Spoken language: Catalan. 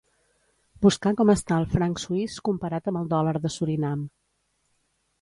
Buscar com està el franc suís comparat amb el dòlar de Surinam.